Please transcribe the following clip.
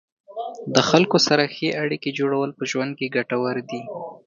د خلکو سره ښې اړیکې جوړول په ژوند کې ګټورې دي.